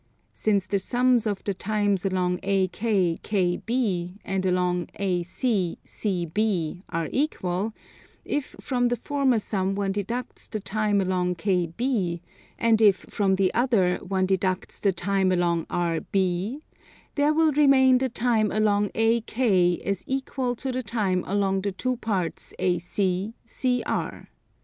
Since the sums of the times along AK, KB, and along AC, CB are equal, if from the former sum one deducts the time along KB, and if from the other one deducts the time along RB, there will remain the time along AK as equal to the time along the two parts AC, CR.